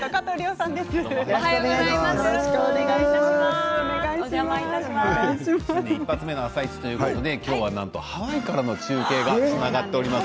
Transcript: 今年一発目の「あさイチ」ということでハワイからの中継がつながっております。